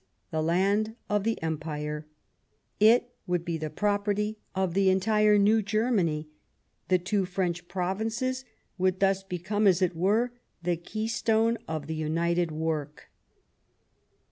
The Land of the Empire— it would be the property of the entire new Germany ; the two French Provinces would thus become, as it were, " the keystone of the united work."